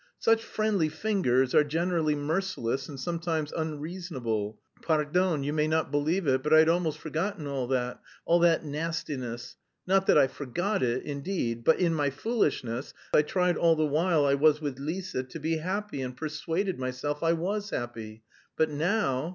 Such friendly fingers are generally merciless and sometimes unreasonable; pardon, you may not believe it, but I'd almost forgotten all that, all that nastiness, not that I forgot it, indeed, but in my foolishness I tried all the while I was with Lise to be happy and persuaded myself I was happy. But now...